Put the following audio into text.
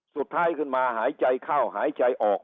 สุดท้ายขึ้นมาหายใจเข้าหายใจออก